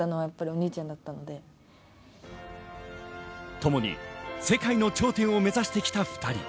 ともに世界の頂点を目指してきた２人。